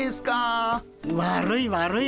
悪い悪い。